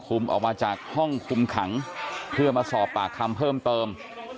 ออกมาจากห้องคุมขังเพื่อมาสอบปากคำเพิ่มเติม